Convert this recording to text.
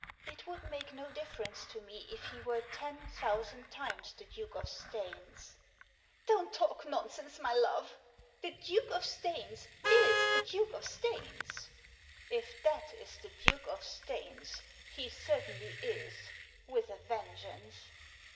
It would make no difference to me if he were ten thousand times the Duke of Staines." "Don't talk nonsense, my love! The Duke of Staines is the Duke of Staines !"" If that is the Duke of Staines, he certainly is— with a vengeance."